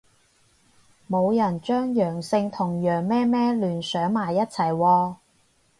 冇人將陽性同羊咩咩聯想埋一齊喎